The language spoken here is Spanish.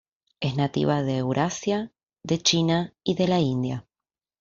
Es nativa de Eurasia, de China y de la India.